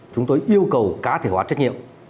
chúng tôi yêu cầu cá thể hoạt động